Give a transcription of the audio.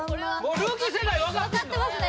ルーキー世代分かってんの？